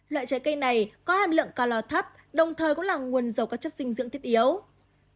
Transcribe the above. loại trái cây này có hàm lượng ca lò thấp đồng thời cũng là nguồn dầu các chất dinh dưỡng thiết yếu